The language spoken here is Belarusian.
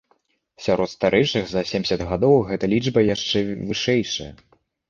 Сярод старэйшых за семдзесят гадоў гэтая лічба яшчэ вышэйшая.